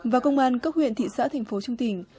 và công an các huyện thị xã thành phố trong tỉnh